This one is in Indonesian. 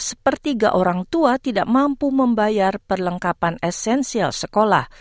sepertiga orang tua tidak mampu membayar perlengkapan esensial sekolah